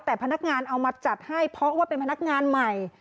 แต่พนักงานเอามาจัดให้เพราะว่าเป็นพนักงานใหม่